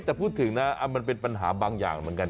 แต่พูดถึงนะมันเป็นปัญหาบางอย่างเหมือนกัน